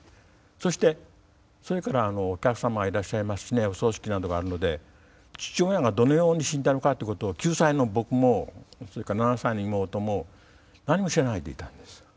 そしてそれからお客様がいらっしゃいますしねお葬式などがあるので父親がどのように死んだのかっていうことを９歳の僕もそれから７歳の妹も何も知らないでいたんです。